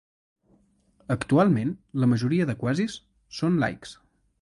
Actualment la majoria de quazis són laics.